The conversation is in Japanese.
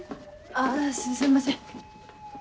あすいません。